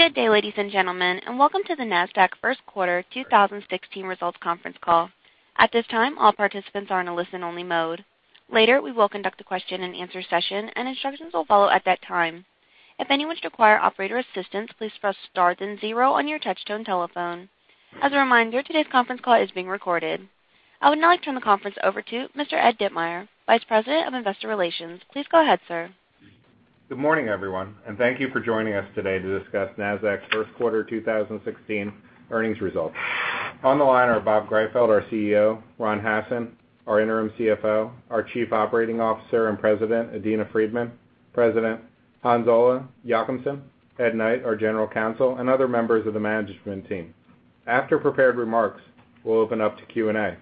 Good day, ladies and gentlemen, and welcome to the Nasdaq first quarter 2016 results conference call. At this time, all participants are in a listen-only mode. Later, we will conduct a question and answer session, and instructions will follow at that time. If anyone requires operator assistance, please press star then zero on your touchtone telephone. As a reminder, today's conference call is being recorded. I would now like to turn the conference over to Mr. Ed Ditmire, Vice President of Investor Relations. Please go ahead, sir. Good morning, everyone. Thank you for joining us today to discuss Nasdaq's first quarter 2016 earnings results. On the line are Bob Greifeld, our CEO, Ron Hassen, our interim CFO, our Chief Operating Officer and President, Adena Friedman, President Hans Olav Kvalheim, Ed Knight, our General Counsel, and other members of the management team. After prepared remarks, we will open up to Q&A.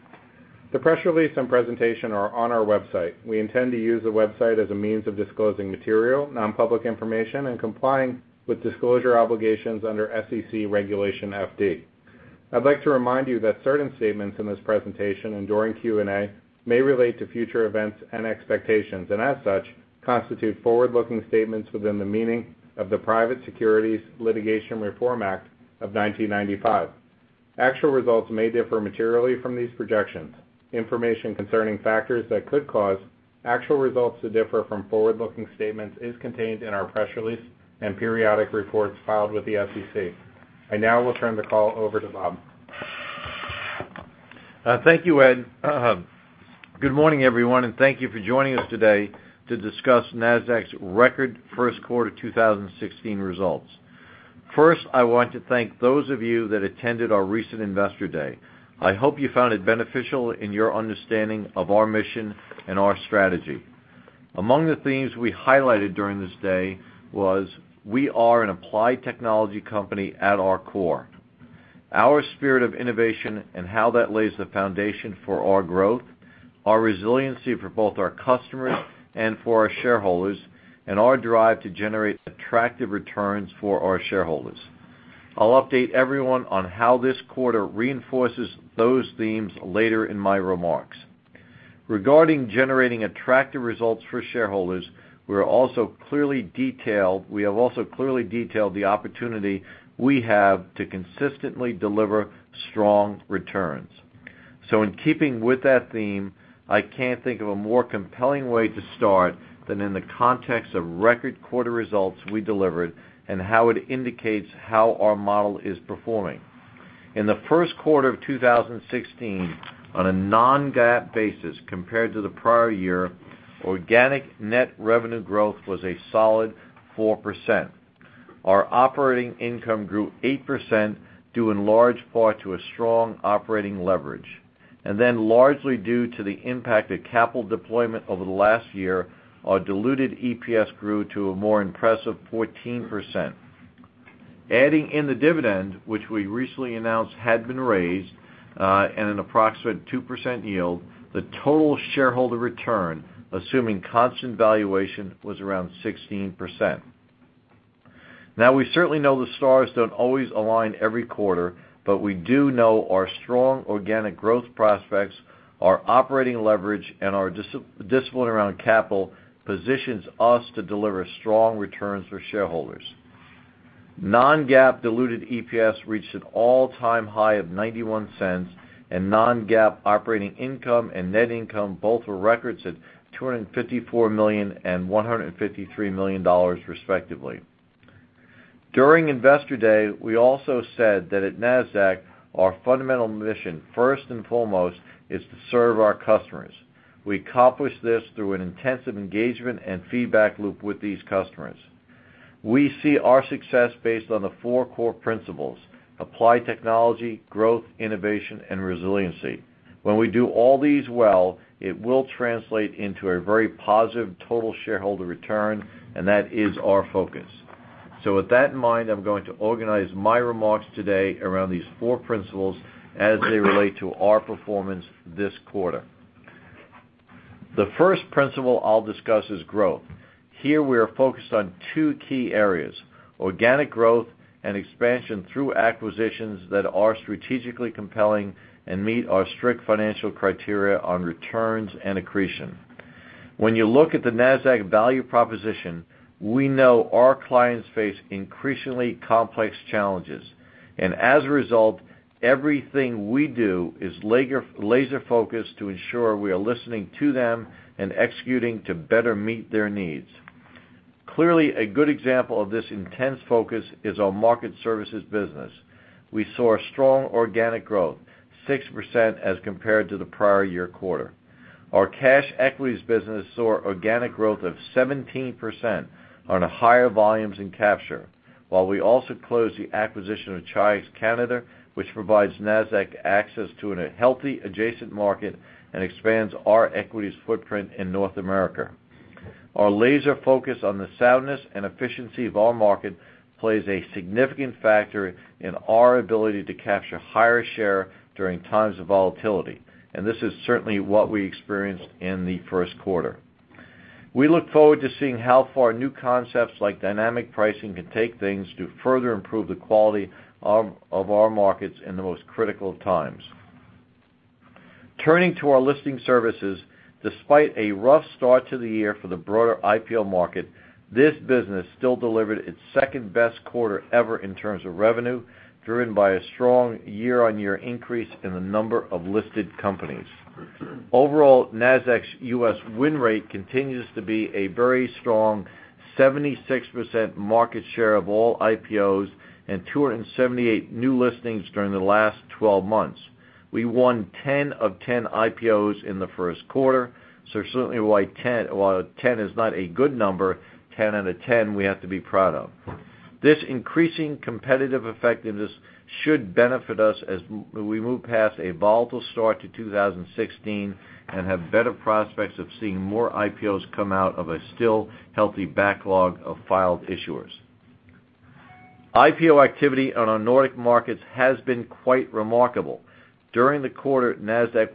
The press release and presentation are on our website. We intend to use the website as a means of disclosing material, non-public information, and complying with disclosure obligations under SEC Regulation FD. I'd like to remind you that certain statements in this presentation and during Q&A may relate to future events and expectations, as such, constitute forward-looking statements within the meaning of the Private Securities Litigation Reform Act of 1995. Actual results may differ materially from these projections. Information concerning factors that could cause actual results to differ from forward-looking statements is contained in our press release and periodic reports filed with the SEC. I now will turn the call over to Bob. Thank you, Ed. Good morning, everyone. Thank you for joining us today to discuss Nasdaq's record first quarter 2016 results. First, I want to thank those of you that attended our recent Investor Day. I hope you found it beneficial in your understanding of our mission and our strategy. Among the themes we highlighted during this day was we are an applied technology company at our core. Our spirit of innovation and how that lays the foundation for our growth, our resiliency for both our customers and for our shareholders, and our drive to generate attractive returns for our shareholders. I will update everyone on how this quarter reinforces those themes later in my remarks. Regarding generating attractive results for shareholders, we have also clearly detailed the opportunity we have to consistently deliver strong returns. In keeping with that theme, I can't think of a more compelling way to start than in the context of record quarter results we delivered and how it indicates how our model is performing. In the first quarter of 2016, on a non-GAAP basis compared to the prior year, organic net revenue growth was a solid 4%. Our operating income grew 8% due in large part to a strong operating leverage. Largely due to the impact of capital deployment over the last year, our diluted EPS grew to a more impressive 14%. Adding in the dividend, which we recently announced had been raised at an approximate 2% yield, the total shareholder return, assuming constant valuation, was around 16%. We certainly know the stars don't always align every quarter, but we do know our strong organic growth prospects, our operating leverage, and our discipline around capital positions us to deliver strong returns for shareholders. Non-GAAP diluted EPS reached an all-time high of $0.91, and non-GAAP operating income and net income both were records at $254 million and $153 million respectively. During Investor Day, we also said that at Nasdaq, our fundamental mission, first and foremost, is to serve our customers. We accomplish this through an intensive engagement and feedback loop with these customers. We see our success based on the four core principles: applied technology, growth, innovation, and resiliency. When we do all these well, it will translate into a very positive total shareholder return, and that is our focus. With that in mind, I'll organize my remarks today around these four principles as they relate to our performance this quarter. The first principle I'll discuss is growth. Here we are focused on two key areas, organic growth and expansion through acquisitions that are strategically compelling and meet our strict financial criteria on returns and accretion. When you look at the Nasdaq value proposition, we know our clients face increasingly complex challenges. As a result, everything we do is laser focused to ensure we are listening to them and executing to better meet their needs. Clearly, a good example of this intense focus is our market services business. We saw a strong organic growth, 6% as compared to the prior year quarter. Our cash equities business saw organic growth of 17% on higher volumes in capture. While we also closed the acquisition of Chi-X Canada, which provides Nasdaq access to a healthy adjacent market and expands our equities footprint in North America. Our laser focus on the soundness and efficiency of our market plays a significant factor in our ability to capture higher share during times of volatility. This is certainly what we experienced in the first quarter. We look forward to seeing how far new concepts like dynamic pricing can take things to further improve the quality of our markets in the most critical times. Turning to our listing services, despite a rough start to the year for the broader IPO market, this business still delivered its second-best quarter ever in terms of revenue, driven by a strong year-on-year increase in the number of listed companies. Overall, Nasdaq's U.S. win rate continues to be a very strong 76% market share of all IPOs and 278 new listings during the last 12 months. We won 10 of 10 IPOs in the first quarter. Certainly, while 10 is not a good number, 10 out of 10, we have to be proud of. This increasing competitive effectiveness should benefit us as we move past a volatile start to 2016 and have better prospects of seeing more IPOs come out of a still healthy backlog of filed issuers. IPO activity on our Nordic markets has been quite remarkable. During the quarter, Nasdaq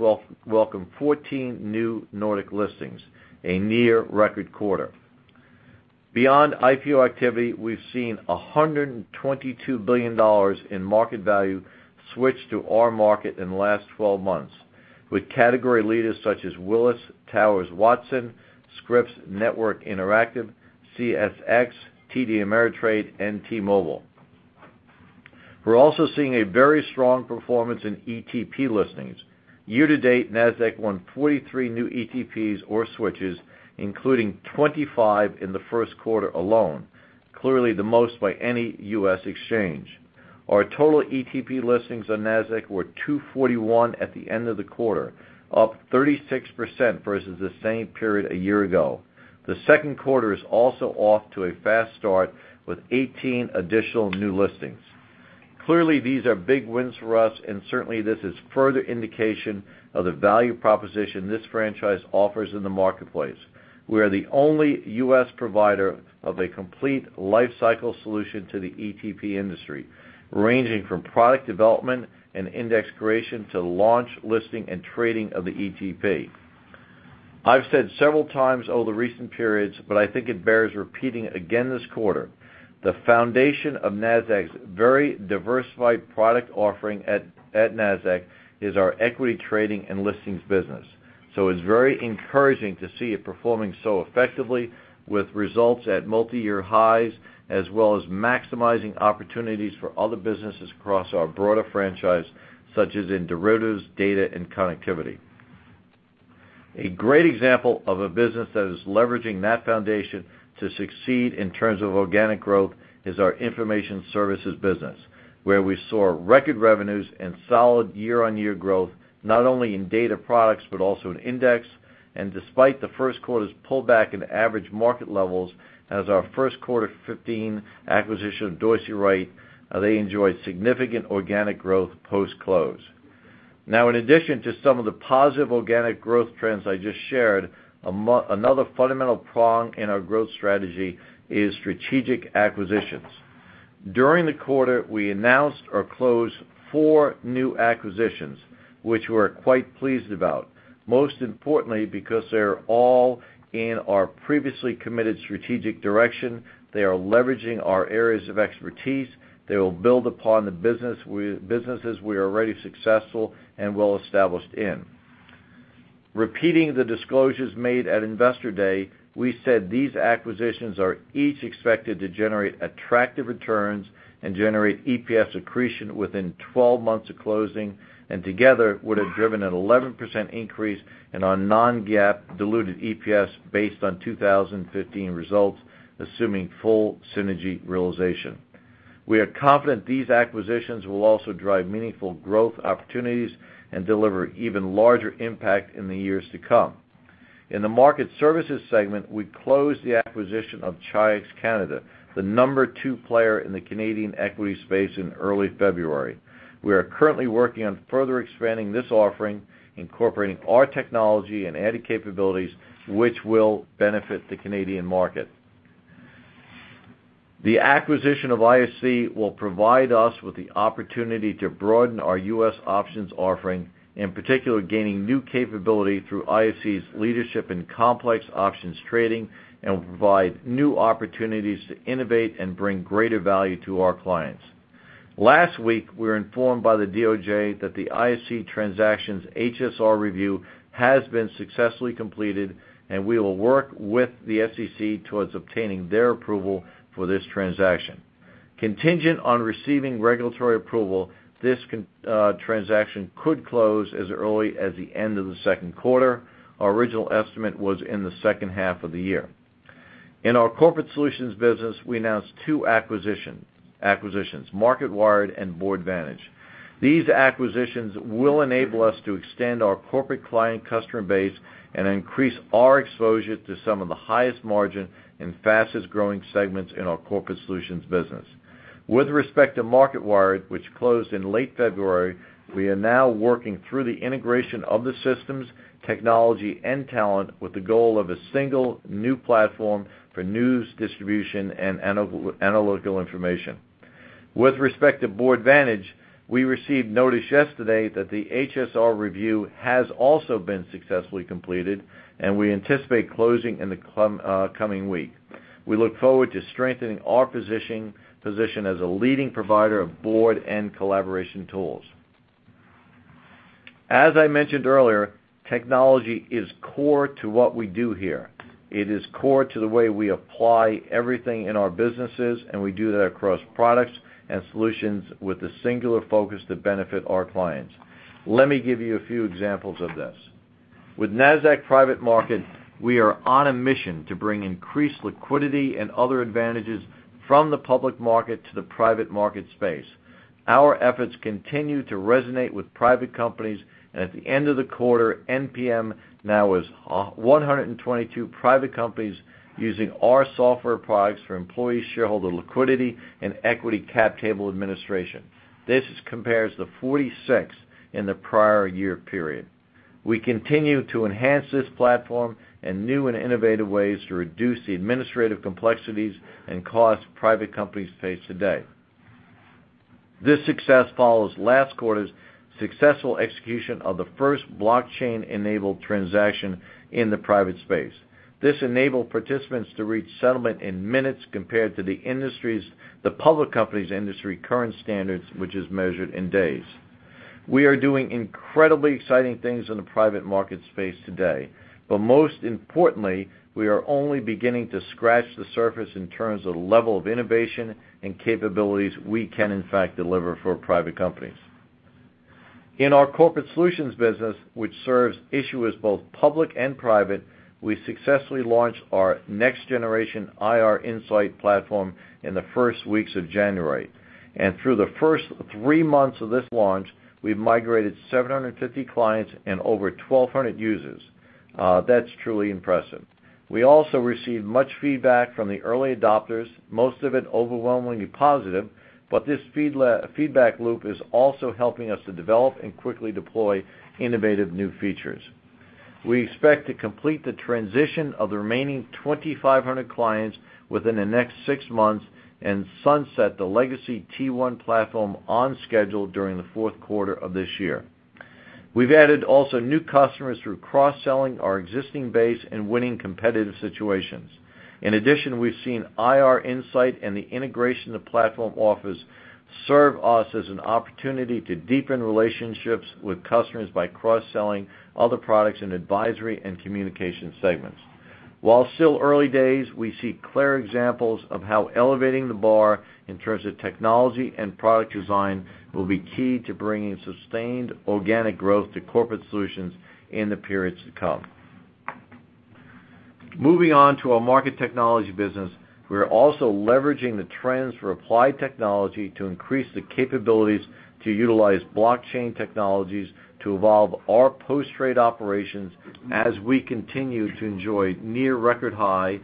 welcomed 14 new Nordic listings, a near record quarter. Beyond IPO activity, we've seen $122 billion in market value switch to our market in the last 12 months, with category leaders such as Willis Towers Watson, Scripps Networks Interactive, CSX, TD Ameritrade, and T-Mobile. We're also seeing a very strong performance in ETP listings. Year-to-date, Nasdaq won 43 new ETPs or switches, including 25 in the first quarter alone, clearly the most by any U.S. exchange. Our total ETP listings on Nasdaq were 241 at the end of the quarter, up 36% versus the same period a year ago. The second quarter is also off to a fast start with 18 additional new listings. Clearly, these are big wins for us, and certainly, this is further indication of the value proposition this franchise offers in the marketplace. We are the only U.S. provider of a complete lifecycle solution to the ETP industry, ranging from product development and index creation to launch, listing, and trading of the ETP. I've said several times over the recent periods, I think it bears repeating again this quarter, the foundation of Nasdaq's very diversified product offering at Nasdaq is our equity trading and listings business. It's very encouraging to see it performing so effectively with results at multi-year highs, as well as maximizing opportunities for other businesses across our broader franchise, such as in derivatives, data, and connectivity. A great example of a business that is leveraging that foundation to succeed in terms of organic growth is our information services business, where we saw record revenues and solid year-on-year growth, not only in data products, but also in index. Despite the first quarter's pullback in average market levels as our first quarter 2015 acquisition of Dorsey Wright, they enjoyed significant organic growth post-close. In addition to some of the positive organic growth trends I just shared, another fundamental prong in our growth strategy is strategic acquisitions. During the quarter, we announced or closed four new acquisitions, which we're quite pleased about, most importantly, because they're all in our previously committed strategic direction. They are leveraging our areas of expertise. They will build upon the businesses we are already successful and well established in. Repeating the disclosures made at Investor Day, we said these acquisitions are each expected to generate attractive returns and generate EPS accretion within 12 months of closing, and together would have driven an 11% increase in our non-GAAP diluted EPS based on 2015 results, assuming full synergy realization. We are confident these acquisitions will also drive meaningful growth opportunities and deliver even larger impact in the years to come. In the market services segment, we closed the acquisition of Chi-X Canada, the number two player in the Canadian equity space, in early February. We are currently working on further expanding this offering, incorporating our technology and added capabilities, which will benefit the Canadian market. The acquisition of ISE will provide us with the opportunity to broaden our U.S. options offering, in particular, gaining new capability through ISE's leadership in complex options trading and will provide new opportunities to innovate and bring greater value to our clients. Last week, we were informed by the DOJ that the ISE transaction's HSR review has been successfully completed, and we will work with the SEC towards obtaining their approval for this transaction. Contingent on receiving regulatory approval, this transaction could close as early as the end of the second quarter. Our original estimate was in the second half of the year. In our corporate solutions business, we announced two acquisitions, Marketwired and Boardvantage. These acquisitions will enable us to extend our corporate client customer base and increase our exposure to some of the highest margin and fastest-growing segments in our corporate solutions business. With respect to Marketwired, which closed in late February, we are now working through the integration of the systems, technology, and talent with the goal of a single new platform for news distribution and analytical information. With respect to Boardvantage, we received notice yesterday that the HSR review has also been successfully completed, and we anticipate closing in the coming week. We look forward to strengthening our position as a leading provider of board and collaboration tools. As I mentioned earlier, technology is core to what we do here. It is core to the way we apply everything in our businesses, and we do that across products and solutions with a singular focus to benefit our clients. Let me give you a few examples of this. With Nasdaq Private Market, we are on a mission to bring increased liquidity and other advantages from the public market to the private market space. Our efforts continue to resonate with private companies, and at the end of the quarter, NPM now has 122 private companies using our software products for employee shareholder liquidity and equity cap table administration. This compares to 46 in the prior year period. We continue to enhance this platform in new and innovative ways to reduce the administrative complexities and costs private companies face today. This success follows last quarter's successful execution of the first blockchain-enabled transaction in the private space. This enabled participants to reach settlement in minutes compared to the public company's industry current standards, which is measured in days. We are doing incredibly exciting things in the private market space today, but most importantly, we are only beginning to scratch the surface in terms of the level of innovation and capabilities we can in fact deliver for private companies. In our Corporate Solutions business, which serves issuers both public and private, we successfully launched our next-generation IR Insight platform in the first weeks of January. Through the first three months of this launch, we've migrated 750 clients and over 1,200 users. That's truly impressive. We also received much feedback from the early adopters, most of it overwhelmingly positive, but this feedback loop is also helping us to develop and quickly deploy innovative new features. We expect to complete the transition of the remaining 2,500 clients within the next six months and sunset the legacy T1 platform on schedule during the fourth quarter of this year. We've added also new customers through cross-selling our existing base and winning competitive situations. In addition, we've seen IR Insight and the integration the platform offers serve us as an opportunity to deepen relationships with customers by cross-selling other products in advisory and communication segments. While still early days, we see clear examples of how elevating the bar in terms of technology and product design will be key to bringing sustained organic growth to Corporate Solutions in the periods to come. Moving on to our Market Technology business. We are also leveraging the trends for applied technology to increase the capabilities to utilize blockchain technologies to evolve our post-trade operations as we continue to enjoy near record highs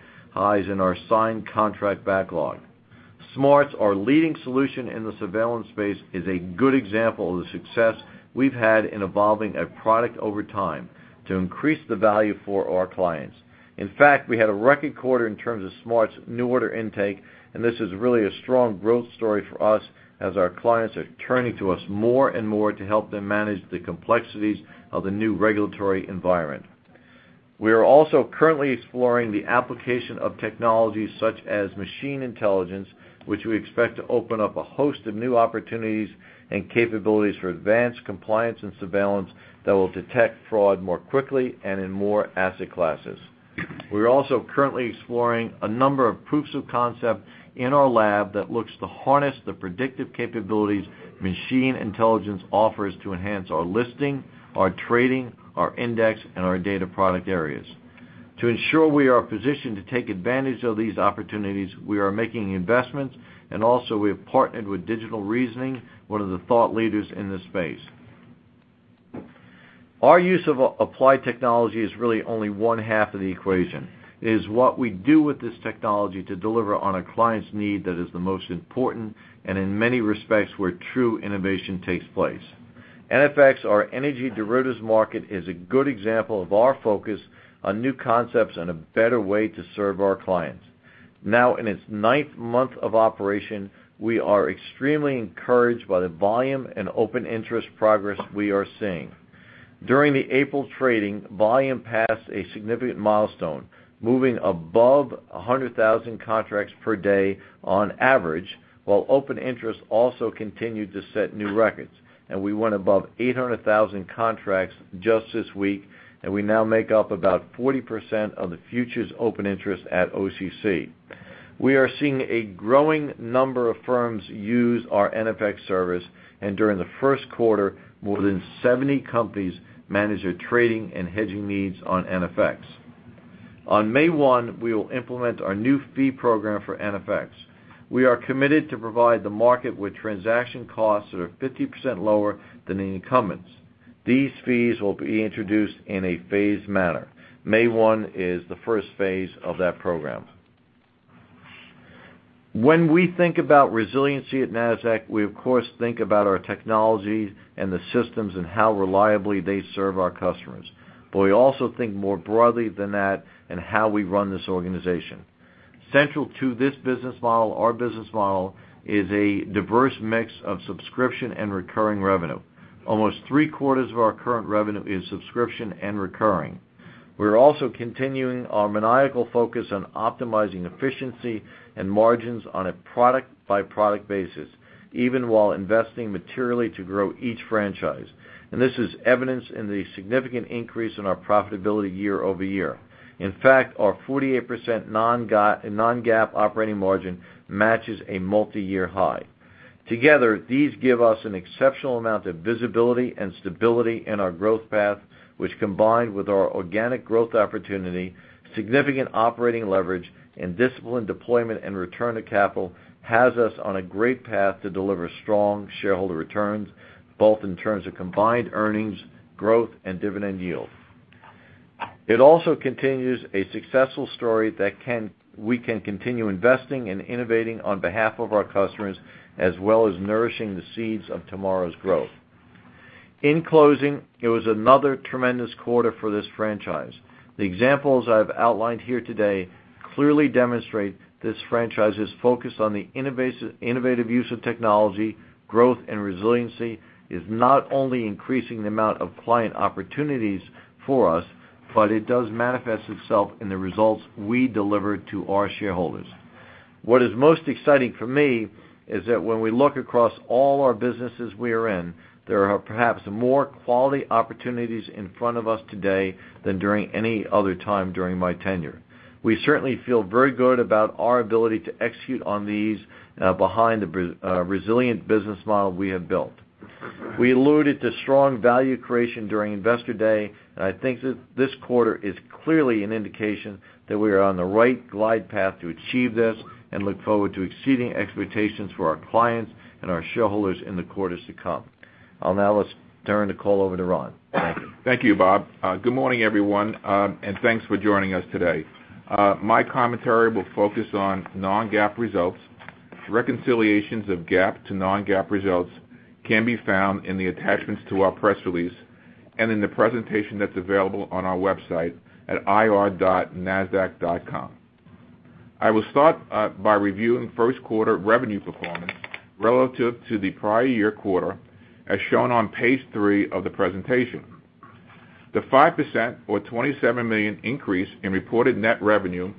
in our signed contract backlog. SMARTS, our leading solution in the surveillance space, is a good example of the success we've had in evolving a product over time to increase the value for our clients. In fact, we had a record quarter in terms of SMARTS new order intake. This is really a strong growth story for us as our clients are turning to us more and more to help them manage the complexities of the new regulatory environment. We are also currently exploring the application of technologies such as machine intelligence, which we expect to open up a host of new opportunities and capabilities for advanced compliance and surveillance that will detect fraud more quickly and in more asset classes. We are also currently exploring a number of proofs of concept in our lab that looks to harness the predictive capabilities machine intelligence offers to enhance our listing, our trading, our index, and our data product areas. To ensure we are positioned to take advantage of these opportunities, we are making investments. Also we have partnered with Digital Reasoning, one of the thought leaders in this space. Our use of applied technology is really only one half of the equation. It is what we do with this technology to deliver on a client's need that is the most important. In many respects, where true innovation takes place. NFX, our energy derivatives market, is a good example of our focus on new concepts and a better way to serve our clients. Now in its ninth month of operation, we are extremely encouraged by the volume and open interest progress we are seeing. During the April trading, volume passed a significant milestone, moving above 100,000 contracts per day on average, while open interest also continued to set new records. We went above 800,000 contracts just this week, and we now make up about 40% of the futures open interest at OCC. We are seeing a growing number of firms use our NFX service. During the first quarter, more than 70 companies managed their trading and hedging needs on NFX. On May 1, we will implement our new fee program for NFX. We are committed to provide the market with transaction costs that are 50% lower than the incumbents. These fees will be introduced in a phased manner. May 1 is the first phase of that program. When we think about resiliency at Nasdaq, we of course think about our technologies and the systems and how reliably they serve our customers. We also think more broadly than that and how we run this organization. Central to this business model, our business model, is a diverse mix of subscription and recurring revenue. Almost three-quarters of our current revenue is subscription and recurring. We're also continuing our maniacal focus on optimizing efficiency and margins on a product-by-product basis, even while investing materially to grow each franchise. This is evidenced in the significant increase in our profitability year-over-year. In fact, our 48% non-GAAP operating margin matches a multi-year high. Together, these give us an exceptional amount of visibility and stability in our growth path, which combined with our organic growth opportunity, significant operating leverage, and disciplined deployment and return to capital, has us on a great path to deliver strong shareholder returns, both in terms of combined earnings growth and dividend yield. It also continues a successful story that we can continue investing and innovating on behalf of our customers, as well as nourishing the seeds of tomorrow's growth. In closing, it was another tremendous quarter for this franchise. The examples I've outlined here today clearly demonstrate this franchise is focused on the innovative use of technology, growth, and resiliency, is not only increasing the amount of client opportunities for us, but it does manifest itself in the results we deliver to our shareholders. What is most exciting for me is that when we look across all our businesses we are in, there are perhaps more quality opportunities in front of us today than during any other time during my tenure. We certainly feel very good about our ability to execute on these, behind the resilient business model we have built. We alluded to strong value creation during Investor Day, and I think this quarter is clearly an indication that we are on the right glide path to achieve this, and look forward to exceeding expectations for our clients and our shareholders in the quarters to come. I'll now turn the call over to Ron. Thank you. Thank you, Bob. Good morning, everyone, and thanks for joining us today. My commentary will focus on non-GAAP results. Reconciliations of GAAP to non-GAAP results can be found in the attachments to our press release and in the presentation that's available on our website at ir.nasdaq.com. I will start by reviewing first quarter revenue performance relative to the prior year quarter, as shown on page three of the presentation. The 5% or $27 million increase in reported net revenue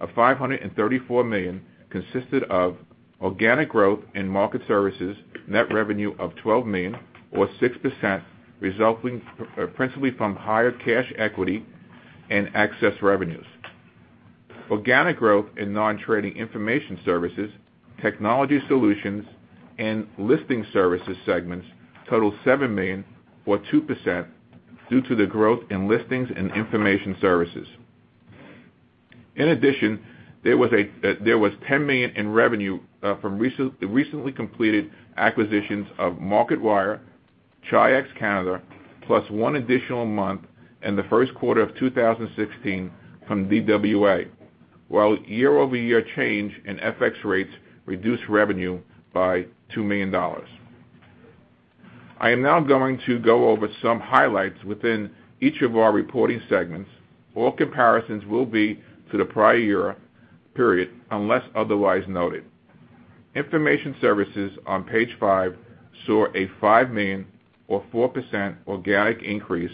of $534 million consisted of organic growth in Market Services, net revenue of $12 million or 6%, resulting principally from higher cash equity and excess revenues. Organic growth in non-trading Information Services, Technology Solutions, and Listing Services segments totaled $7 million or 2% due to the growth in listings and Information Services. In addition, there was $10 million in revenue from the recently completed acquisitions of Marketwired, Chi-X Canada, plus one additional month in the first quarter of 2016 from DWA. While year-over-year change in FX rates reduced revenue by $2 million. I am now going to go over some highlights within each of our reporting segments. All comparisons will be to the prior year period, unless otherwise noted. Information Services on page five saw a $5 million or 4% organic increase,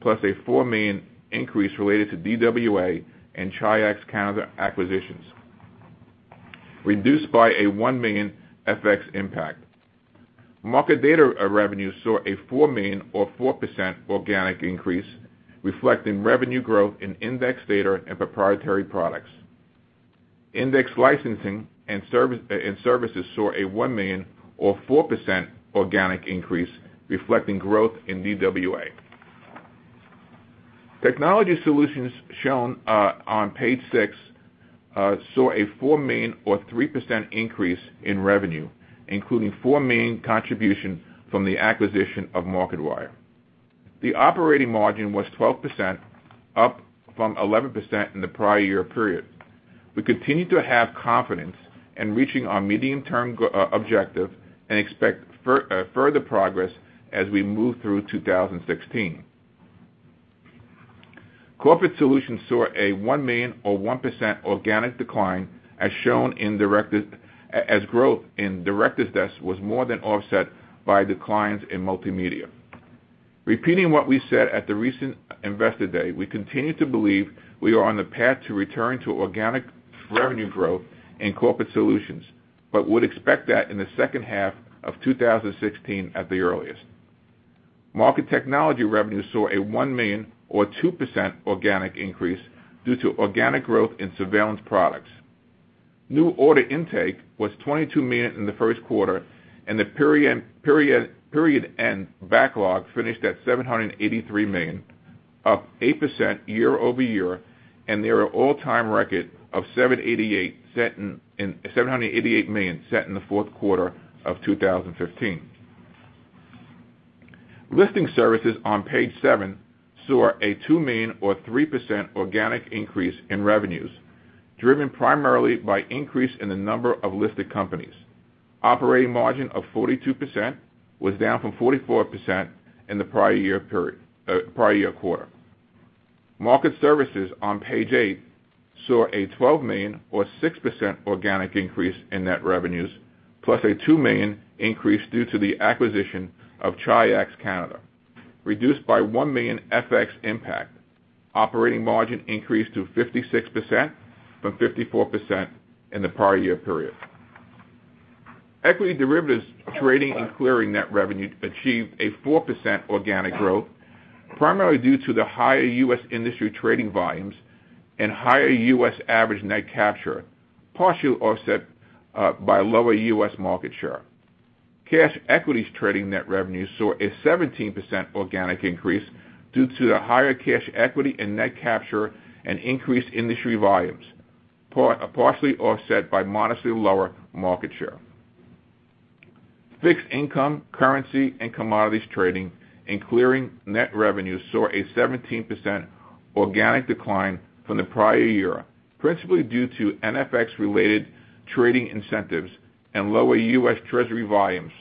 plus a $4 million increase related to DWA and Chi-X Canada acquisitions, reduced by a $1 million FX impact. Market data revenue saw a $4 million or 4% organic increase, reflecting revenue growth in index data and proprietary products. Index licensing and services saw a $1 million or 4% organic increase, reflecting growth in DWA. Technology Solutions shown on page six saw a $4 million or 3% increase in revenue, including $4 million contribution from the acquisition of Marketwired. The operating margin was 12%, up from 11% in the prior year period. We continue to have confidence in reaching our medium-term objective and expect further progress as we move through 2016. Corporate Solutions saw a $1 million or 1% organic decline, as growth in Directors Desk was more than offset by declines in Multimedia Solutions. Repeating what we said at the recent Investor Day, we continue to believe we are on the path to return to organic revenue growth in Corporate Solutions, but would expect that in the second half of 2016 at the earliest. Market technology revenue saw a $1 million or 2% organic increase due to organic growth in surveillance products. New order intake was $22 million in the first quarter, and the period end backlog finished at $783 million, up 8% year-over-year, and their all-time record of $788 million set in the fourth quarter of 2015. Listing Services on page seven saw a $2 million or 3% organic increase in revenues, driven primarily by increase in the number of listed companies. Operating margin of 42% was down from 44% in the prior year quarter. Market Services on page eight saw a $12 million or 6% organic increase in net revenues, plus a $2 million increase due to the acquisition of Chi-X Canada, reduced by $1 million FX impact. Operating margin increased to 56% from 54% in the prior year period. Equity derivatives trading and clearing net revenue achieved a 4% organic growth, primarily due to the higher U.S. industry trading volumes and higher U.S. average net capture, partially offset by lower U.S. market share. Cash equities trading net revenues saw a 17% organic increase due to the higher cash equity and net capture and increased industry volumes, partially offset by modestly lower market share. Fixed income, currency, and commodities trading and clearing net revenues saw a 17% organic decline from the prior year, principally due to NFX-related trading incentives and lower U.S. Treasury volumes,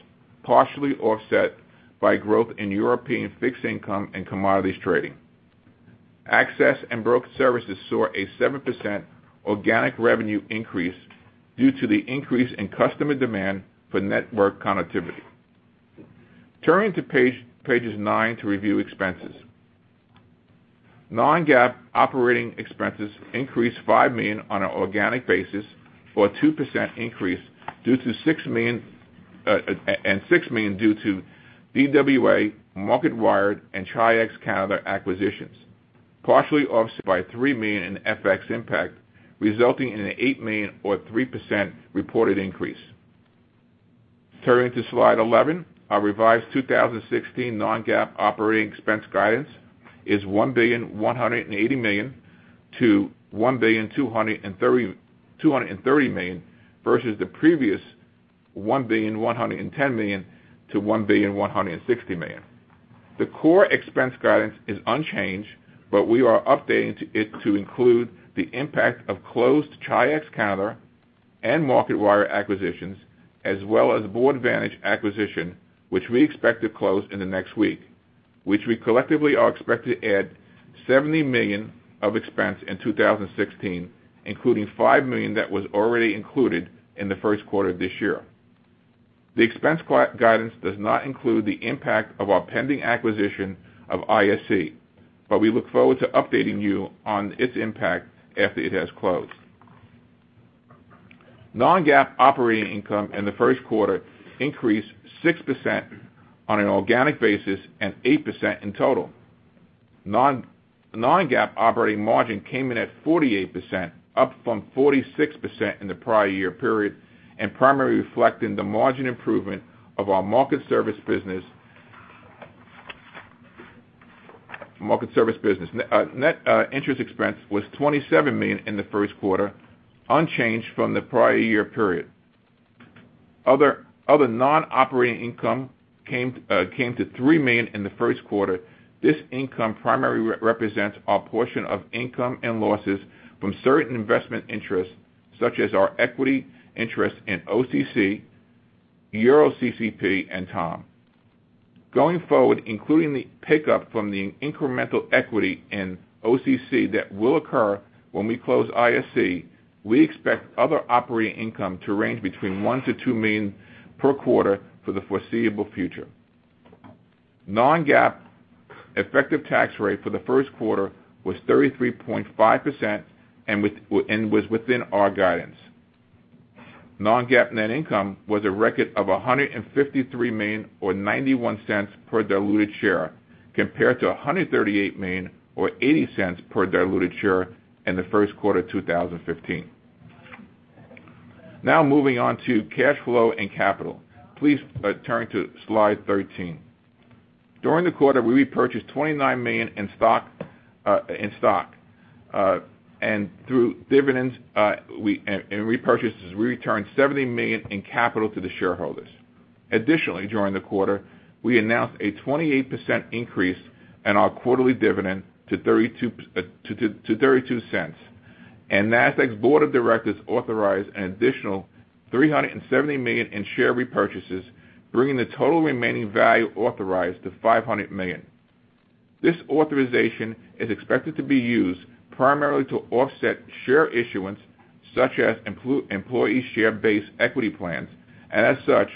partially offset by growth in European fixed income and commodities trading. Access and broker services saw a 7% organic revenue increase due to the increase in customer demand for network connectivity. Turning to pages nine to review expenses. Non-GAAP operating expenses increased $5 million on an organic basis, or a 2% increase, $6 million due to DWA, Marketwired, and Chi-X Canada acquisitions, partially offset by $3 million in FX impact, resulting in an $8 million or 3% reported increase. Turning to slide 11, our revised 2016 non-GAAP operating expense guidance is $1,180,000 to $1,230,000 versus the previous $1,110,000 to $1,160,000. The core expense guidance is unchanged, we are updating it to include the impact of closed Chi-X Canada and Marketwired acquisitions, as well as Boardvantage acquisition, which we expect to close in the next week, which we collectively are expected to add $70 million of expense in 2016, including $5 million that was already included in the first quarter of this year. The expense guidance does not include the impact of our pending acquisition of ISE, we look forward to updating you on its impact after it has closed. Non-GAAP operating income in the first quarter increased 6% on an organic basis and 8% in total. Non-GAAP operating margin came in at 48%, up from 46% in the prior year period and primarily reflecting the margin improvement of our market service business. Net interest expense was $27 million in the first quarter, unchanged from the prior year period. Other non-operating income came to $3 million in the first quarter. This income primarily represents our portion of income and losses from certain investment interests, such as our equity interest in OCC, EuroCCP, and TOM. Going forward, including the pickup from the incremental equity in OCC that will occur when we close ISE, we expect other operating income to range between $1 million-$2 million per quarter for the foreseeable future. Non-GAAP effective tax rate for the first quarter was 33.5% and was within our guidance. Non-GAAP net income was a record of $153 million or $0.91 per diluted share, compared to $138 million or $0.80 per diluted share in the first quarter of 2015. Moving on to cash flow and capital. Please turn to slide 13. During the quarter, we repurchased $29 million in stock, through dividends and repurchases, we returned $70 million in capital to the shareholders. Additionally, during the quarter, we announced a 28% increase in our quarterly dividend to $0.32, Nasdaq's board of directors authorized an additional $370 million in share repurchases, bringing the total remaining value authorized to $500 million. This authorization is expected to be used primarily to offset share issuance, such as employee share-based equity plans, as such,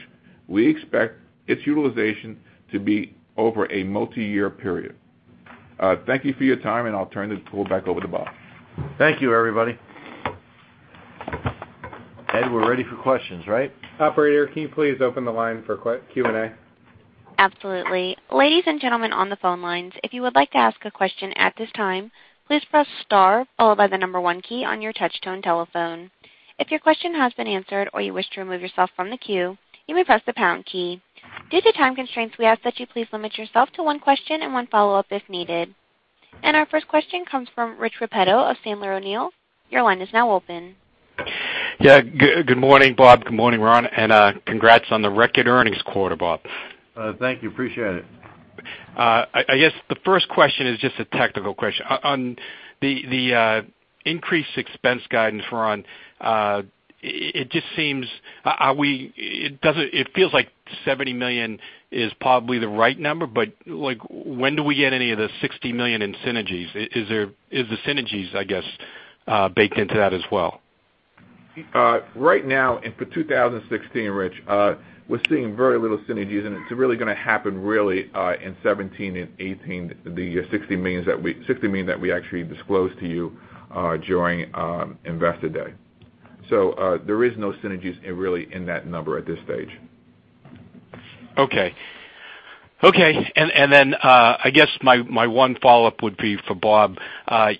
we expect its utilization to be over a multi-year period. Thank you for your time, I'll turn the call back over to Bob. Thank you, everybody. Ed, we're ready for questions, right? Operator, can you please open the line for Q&A? Absolutely. Ladies and gentlemen on the phone lines, if you would like to ask a question at this time, please press star, followed by the number one key on your touch-tone telephone. If your question has been answered or you wish to remove yourself from the queue, you may press the pound key. Due to time constraints, we ask that you please limit yourself to one question and one follow-up if needed. Our first question comes from Rich Repetto of Sandler O'Neill. Your line is now open. Yeah. Good morning, Bob. Good morning, Ron, congrats on the record earnings quarter, Bob. Thank you. Appreciate it. I guess the first question is just a technical question. On the increased expense guidance, Ron, it feels like $70 million is probably the right number, but when do we get any of the $60 million in synergies? Is the synergies, I guess, baked into that as well? Right now, and for 2016, Rich, we're seeing very little synergies, and it's really going to happen really in 2017 and 2018, the $60 million that we actually disclosed to you during Investor Day. There is no synergies really in that number at this stage. Okay. I guess my one follow-up would be for Bob.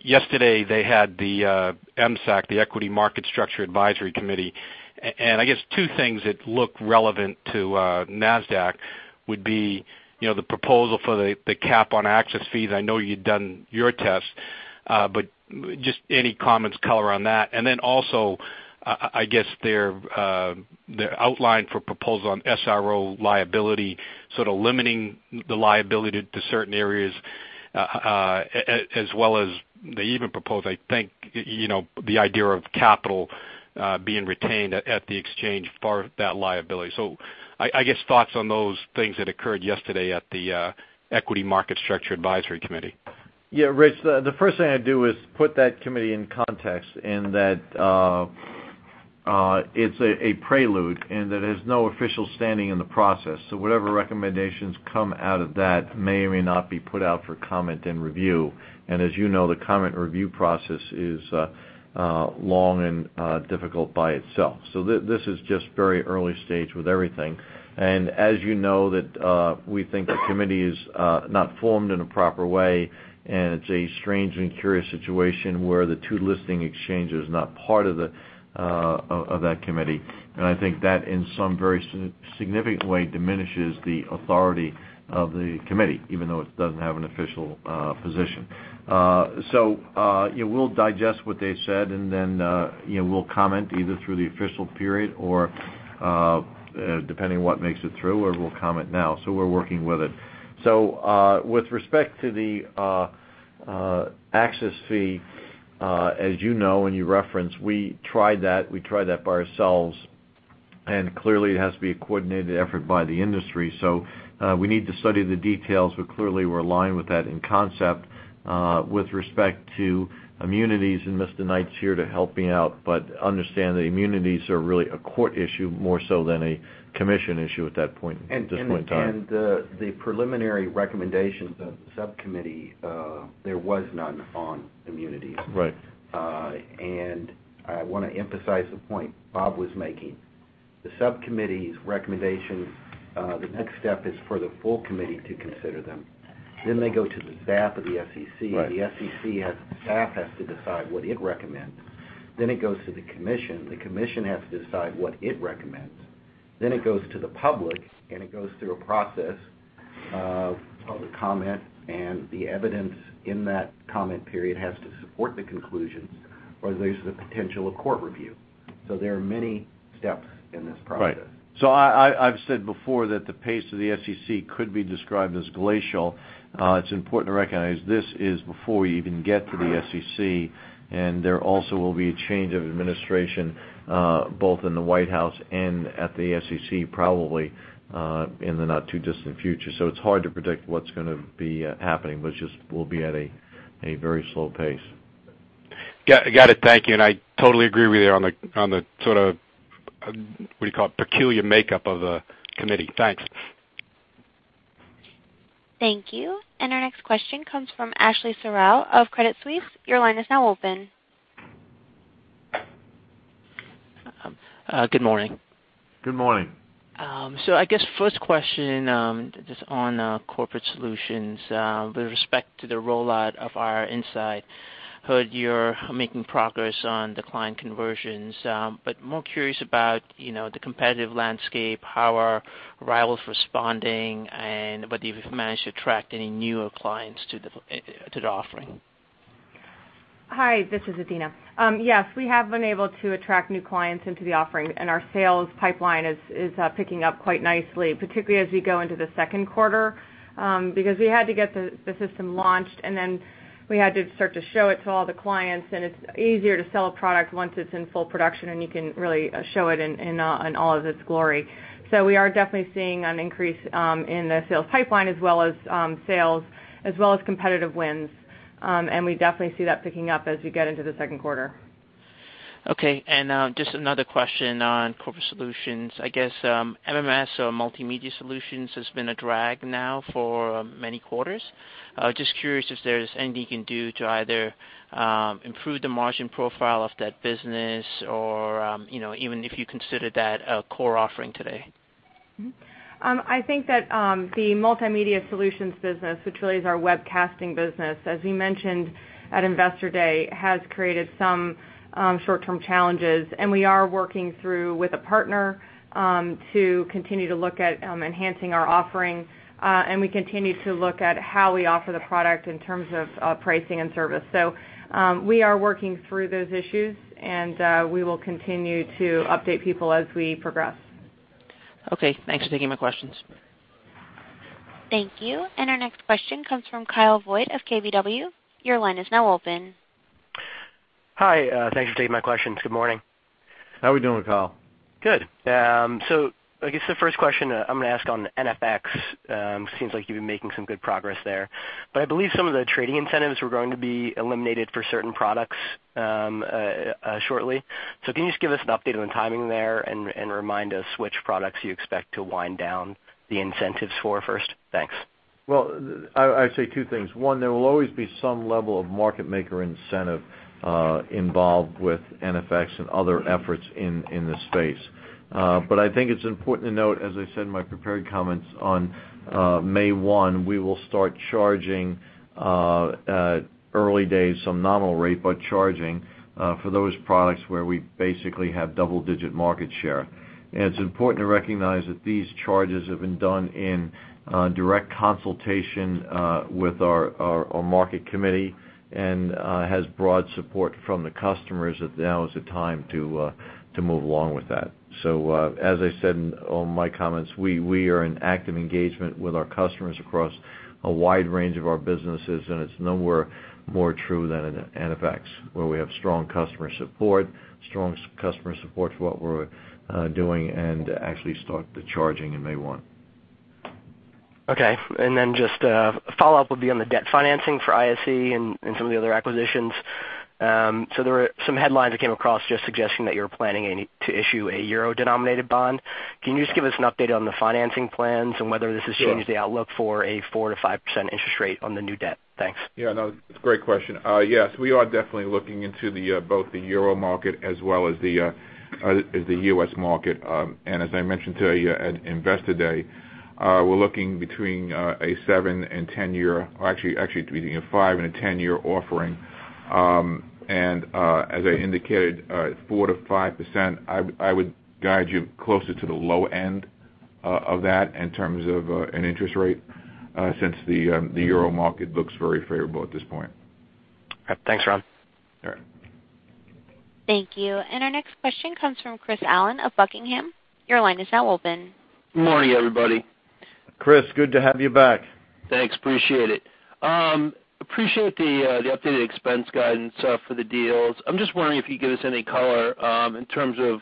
Yesterday, they had the EMSAC, the Equity Market Structure Advisory Committee. I guess two things that look relevant to Nasdaq would be the proposal for the cap on access fees. I know you'd done your test, but just any comments, color on that. Also, I guess their outline for proposal on SRO liability, sort of limiting the liability to certain areas, as well as they even propose, I think, the idea of capital being retained at the exchange for that liability. I guess thoughts on those things that occurred yesterday at the Equity Market Structure Advisory Committee. Yeah, Rich, the first thing I'd do is put that committee in context in that it's a prelude and that there's no official standing in the process. Whatever recommendations come out of that may or may not be put out for comment and review. As you know, the comment and review process is long and difficult by itself. This is just very early stage with everything. As you know that we think the committee is not formed in a proper way, and it's a strange and curious situation where the two listing exchanges are not part of that committee. I think that in some very significant way diminishes the authority of the committee, even though it doesn't have an official position. We'll digest what they said then we'll comment either through the official period or, depending on what makes it through, or we'll comment now. We're working with it. With respect to the access fee, as you know, and you referenced, we tried that. We tried that by ourselves, and clearly it has to be a coordinated effort by the industry. We need to study the details, but clearly, we're aligned with that in concept. With respect to immunities, Mr. Knight's here to help me out, understand that immunities are really a court issue more so than a commission issue at that point in time. The preliminary recommendations of the subcommittee, there was none on immunities. Right. I want to emphasize the point Bob was making. The subcommittee's recommendations, the next step is for the full committee to consider them. They go to the staff of the SEC. Right. The SEC staff has to decide what it recommends. It goes to the commission. The commission has to decide what it recommends. It goes to the public, and it goes through a process of public comment, and the evidence in that comment period has to support the conclusions, or there's the potential of court review. There are many steps in this process. Right. I've said before that the pace of the SEC could be described as glacial. It's important to recognize this is before we even get to the SEC, and there also will be a change of administration, both in the White House and at the SEC, probably, in the not too distant future. It's hard to predict what's going to be happening, but it just will be at a very slow pace. Got it. Thank you, I totally agree with you on the sort of, what do you call it, peculiar makeup of the committee. Thanks. Thank you. Our next question comes from Ashley Serrao of Credit Suisse. Your line is now open. Good morning. Good morning. I guess first question, just on Corporate Solutions. With respect to the rollout of our Insight, heard you're making progress on the client conversions. More curious about the competitive landscape, how are rivals responding, and whether you've managed to attract any newer clients to the offering. Hi, this is Adena. Yes, we have been able to attract new clients into the offering, and our sales pipeline is picking up quite nicely, particularly as we go into the second quarter. Because we had to get the system launched, and then we had to start to show it to all the clients, and it's easier to sell a product once it's in full production and you can really show it in all of its glory. We are definitely seeing an increase in the sales pipeline as well as sales, as well as competitive wins. We definitely see that picking up as we get into the second quarter. Okay, just another question on Corporate Solutions. I guess, MMS or Multimedia Solutions has been a drag now for many quarters. Just curious if there's anything you can do to either improve the margin profile of that business or even if you consider that a core offering today. I think that the Multimedia Solutions business, which really is our webcasting business, as we mentioned at Investor Day, has created some short-term challenges. We are working through with a partner to continue to look at enhancing our offering. We continue to look at how we offer the product in terms of pricing and service. We are working through those issues, and we will continue to update people as we progress. Okay. Thanks for taking my questions. Thank you. Our next question comes from Kyle Voigt of KBW. Your line is now open. Hi. Thanks for taking my questions. Good morning. How we doing, Kyle? Good. I guess the first question I'm going to ask on NFX, seems like you've been making some good progress there, but I believe some of the trading incentives were going to be eliminated for certain products shortly. Can you just give us an update on the timing there and remind us which products you expect to wind down the incentives for first? Thanks. Well, I'd say two things. One, there will always be some level of market maker incentive involved with NFX and other efforts in the space. I think it's important to note, as I said in my prepared comments, on May 1, we will start charging, early days, some nominal rate, but charging for those products where we basically have double-digit market share. It's important to recognize that these charges have been done in direct consultation with our market committee and has broad support from the customers that now is the time to move along with that. As I said in all my comments, we are in active engagement with our customers across a wide range of our businesses, and it's nowhere more true than in NFX, where we have strong customer support for what we're doing, and actually start the charging in May 1. Okay. Just a follow-up would be on the debt financing for ISE and some of the other acquisitions. There were some headlines that came across just suggesting that you're planning to issue a euro-denominated bond. Can you just give us an update on the financing plans and whether this has changed the outlook for a 4%-5% interest rate on the new debt? Thanks. Yeah, no, it's a great question. Yes, we are definitely looking into both the euro market as well as the U.S. market. As I mentioned to you at Investor Day, we're looking between a 7 and 10-year, or actually between a 5 and a 10-year offering. As I indicated, 4%-5%, I would guide you closer to the low end of that in terms of an interest rate, since the euro market looks very favorable at this point. Okay, thanks, Ron. Sure. Thank you. Our next question comes from Chris Allen of Buckingham. Your line is now open. Good morning, everybody. Chris, good to have you back. Thanks, appreciate it. Appreciate the updated expense guidance for the deals. I'm just wondering if you'd give us any color in terms of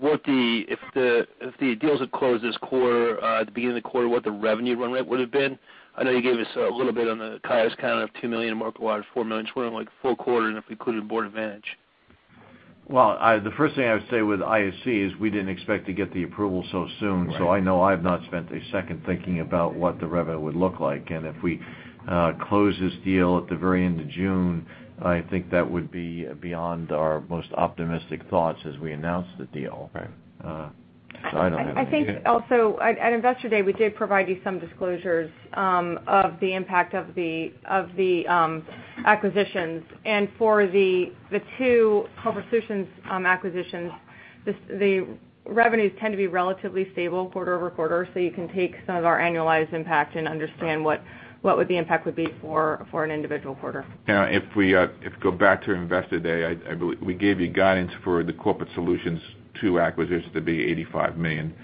if the deals had closed this quarter, at the beginning of the quarter, what the revenue run rate would've been. I know you gave us a little bit on the Chi-X count of $2 million and Marketwired, $4 million. Just wondering, like, full quarter and if we included Boardvantage. Well, the first thing I would say with ISE is we didn't expect to get the approval so soon. Right. I know I have not spent a second thinking about what the revenue would look like. If we close this deal at the very end of June, I think that would be beyond our most optimistic thoughts as we announced the deal. Right. I don't have anything yet. I think also, at Investor Day, we did provide you some disclosures of the impact of the acquisitions. For the two Corporate Solutions acquisitions, the revenues tend to be relatively stable quarter-over-quarter, so you can take some of our annualized impact and understand what would the impact would be for an individual quarter. Yeah, if you go back to Investor Day, I believe we gave you guidance for the Corporate Solutions two acquisitions to be $85 million.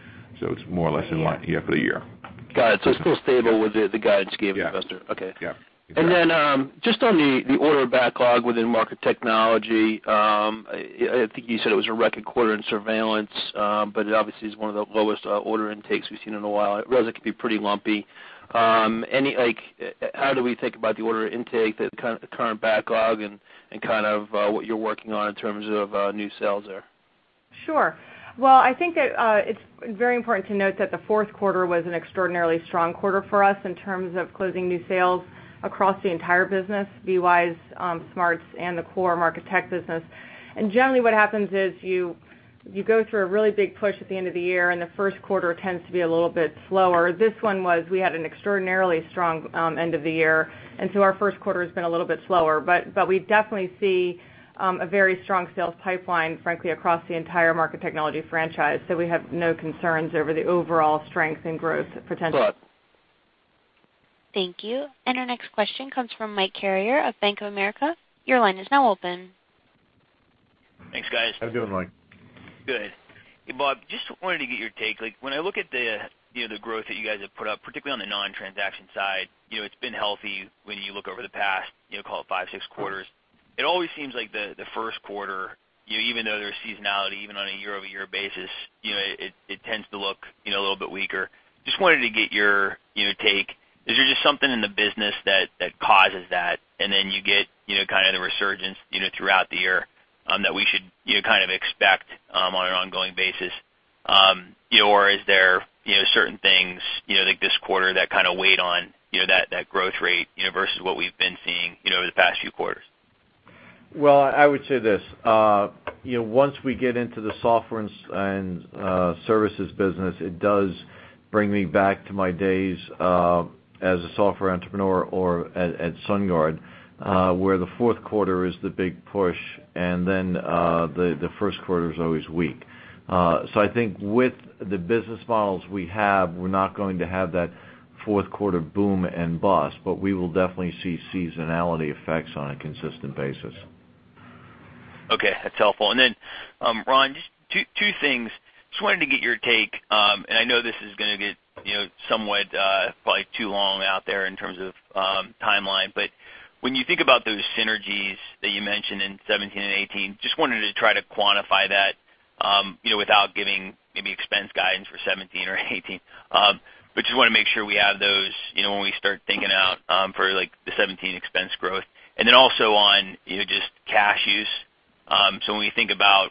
It's more or less in line, yeah, for the year. Got it. It's still stable with the guidance you gave investor. Yeah. Okay. Yeah, exactly. Just on the order backlog within Market Technology, I think you said it was a record quarter in surveillance, but it obviously is one of the lowest order intakes we've seen in a while. It really could be pretty lumpy. How do we think about the order intake, the current backlog, and kind of what you're working on in terms of new sales there? Sure. Well, I think that it's very important to note that the fourth quarter was an extraordinarily strong quarter for us in terms of closing new sales across the entire business, SMARTS and the core Market Tech business. Generally what happens is you go through a really big push at the end of the year, and the first quarter tends to be a little bit slower. We had an extraordinarily strong end of the year, and so our first quarter has been a little bit slower. We definitely see a very strong sales pipeline, frankly, across the entire Market Technology franchise. We have no concerns over the overall strength and growth potential. Thank you. Our next question comes from Michael Carrier of Bank of America. Your line is now open. Thanks, guys. How you doing, Mike? Good. Hey, Bob, just wanted to get your take. When I look at the growth that you guys have put up, particularly on the non-transaction side, it's been healthy when you look over the past, call it five, six quarters. It always seems like the first quarter, even though there's seasonality, even on a year-over-year basis, it tends to look a little bit weaker. Just wanted to get your take. Is there just something in the business that causes that and then you get kind of the resurgence throughout the year that we should kind of expect on an ongoing basis? Or is there certain things like this quarter that kind of weighed on that growth rate versus what we've been seeing over the past few quarters? I would say this. Once we get into the software and services business, it does bring me back to my days as a software entrepreneur or at SunGard, where the fourth quarter is the big push and then the first quarter is always weak. I think with the business models we have, we're not going to have that fourth quarter boom and bust, but we will definitely see seasonality effects on a consistent basis. Okay, that's helpful. Ron, just two things. Just wanted to get your take, and I know this is going to get somewhat probably too long out there in terms of timeline, but when you think about those synergies that you mentioned in 2017 and 2018, just wanted to try to quantify that without giving maybe expense guidance for 2017 or 2018. Just want to make sure we have those when we start thinking out for the 2017 expense growth. Also on just cash use. When we think about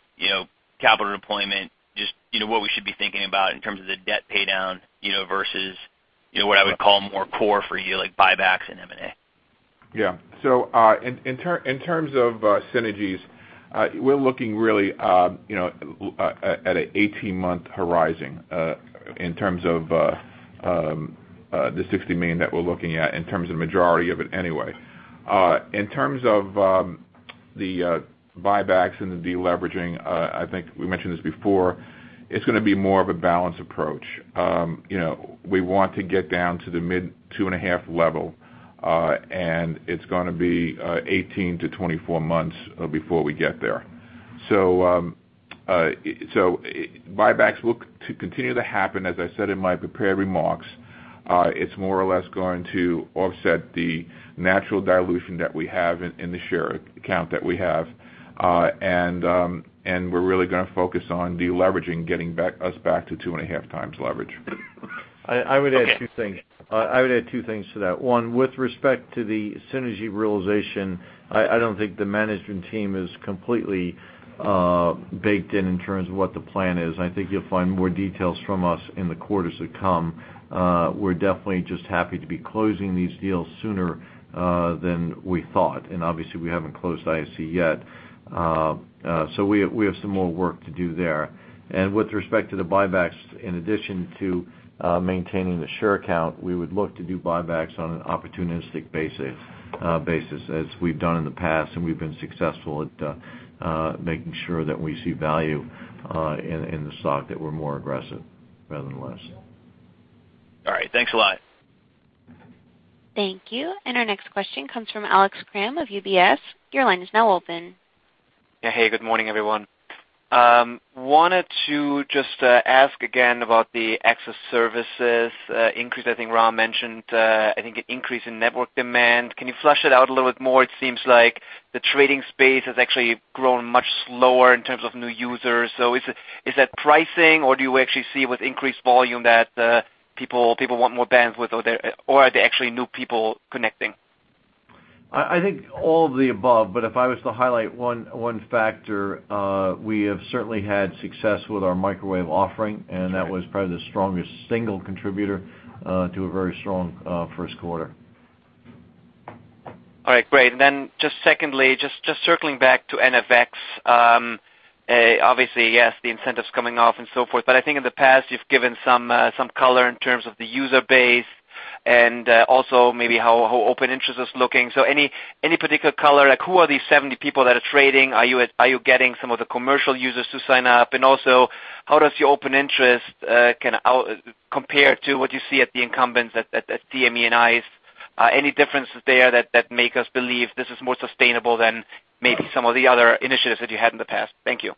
capital deployment, just what we should be thinking about in terms of the debt paydown versus what I would call more core for you, like buybacks and M&A. Yeah. In terms of synergies, we're looking really at an 18-month horizon in terms of the $60 million that we're looking at, in terms of majority of it anyway. In terms of the buybacks and the deleveraging, I think we mentioned this before, it's going to be more of a balanced approach. We want to get down to the mid two and a half level, and it's going to be 18 to 24 months before we get there. Buybacks will continue to happen. As I said in my prepared remarks, it's more or less going to offset the natural dilution that we have in the share account that we have. We're really going to focus on deleveraging, getting us back to two and a half times leverage. I would add two things to that. One, with respect to the synergy realization, I don't think the management team is completely baked in in terms of what the plan is. I think you'll find more details from us in the quarters to come. We're definitely just happy to be closing these deals sooner than we thought, and obviously we haven't closed ISE yet. We have some more work to do there. With respect to the buybacks, in addition to maintaining the share count, we would look to do buybacks on an opportunistic basis as we've done in the past, and we've been successful at making sure that we see value in the stock, that we're more aggressive rather than less. All right. Thanks a lot. Thank you. Our next question comes from Alex Kramm of UBS. Your line is now open. Hey, good morning, everyone. Wanted to just ask again about the access services increase. I think Ron mentioned, I think an increase in network demand. Can you flesh it out a little bit more? It seems like the trading space has actually grown much slower in terms of new users. Is that pricing or do you actually see with increased volume that people want more bandwidth, or are they actually new people connecting? I think all of the above, but if I was to highlight one factor, we have certainly had success with our microwave offering, and that was probably the strongest single contributor to a very strong first quarter. All right, great. Then just secondly, just circling back to NFX. Obviously, yes, the incentive's coming off and so forth, but I think in the past, you've given some color in terms of the user base and also maybe how open interest is looking. Any particular color? Who are these 70 people that are trading? Are you getting some of the commercial users to sign up? Also, how does your open interest compare to what you see at the incumbents at CME and ICE? Differences there that make us believe this is more sustainable than maybe some of the other initiatives that you had in the past? Thank you.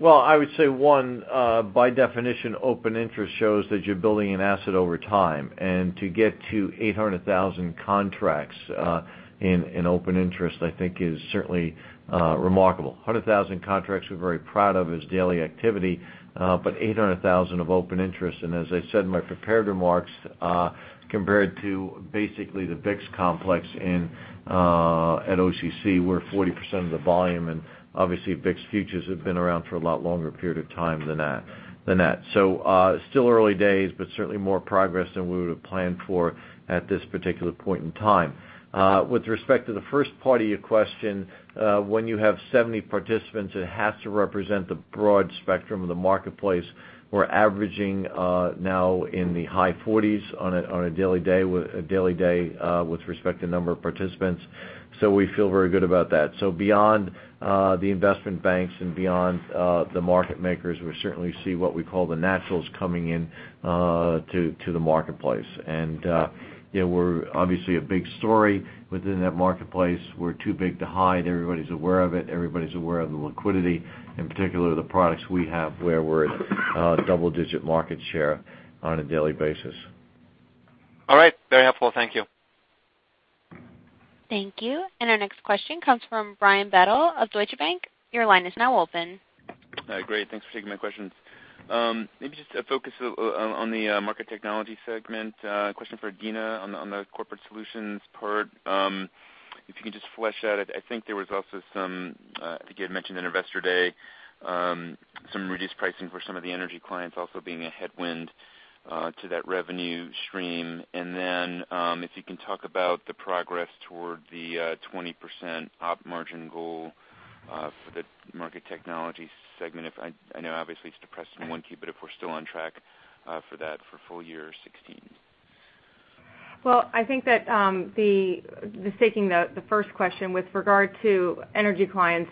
Well, I would say one, by definition, open interest shows that you're building an asset over time. To get to 800,000 contracts in open interest, I think is certainly remarkable. 100,000 contracts we're very proud of as daily activity, but 800,000 of open interest. As I said in my prepared remarks, compared to basically the VIX complex at OCC, we're 40% of the volume, and obviously VIX futures have been around for a lot longer period of time than that. Still early days, but certainly more progress than we would have planned for at this particular point in time. With respect to the first part of your question, when you have 70 participants, it has to represent the broad spectrum of the marketplace. We're averaging now in the high 40s on a daily day with respect to number of participants. We feel very good about that. Beyond the investment banks and beyond the market makers, we certainly see what we call the naturals coming in to the marketplace. We're obviously a big story within that marketplace. We're too big to hide. Everybody's aware of it. Everybody's aware of the liquidity, in particular the products we have where we're at double-digit market share on a daily basis. All right. Very helpful. Thank you. Thank you. Our next question comes from Brian Bedell of Deutsche Bank. Your line is now open. Great. Thanks for taking my questions. Maybe just a focus on the market technology segment. Question for Adena on the corporate solutions part. If you can just flesh out, I think you had mentioned in Investor Day, some reduced pricing for some of the energy clients also being a headwind to that revenue stream. Then, if you can talk about the progress toward the 20% op margin goal for the market technology segment. I know obviously it's depressed in 1Q, but if we're still on track for that for full year 2016. Well, I think that just taking the first question with regard to energy clients.